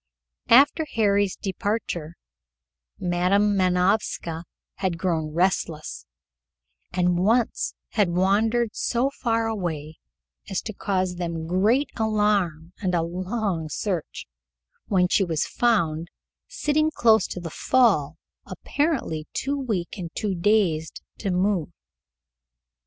After Harry's departure, Madam Manovska had grown restless, and once had wandered so far away as to cause them great alarm and a long search, when she was found, sitting close to the fall, apparently too weak and too dazed to move.